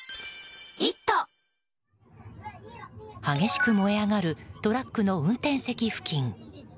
激しく燃え上がるトラックの運転席付近。